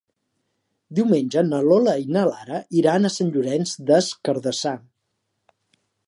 Diumenge na Lola i na Lara iran a Sant Llorenç des Cardassar.